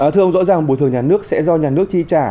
thưa ông rõ ràng bồi thường nhà nước sẽ do nhà nước chi trả